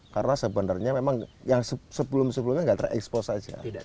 karena sebenarnya memang yang sebelum sebelumnya tidak terekspos saja